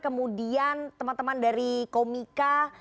kemudian teman teman dari komika